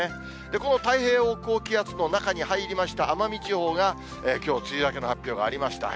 この太平洋高気圧の中に入りました奄美地方が、きょう梅雨明けの発表がありました。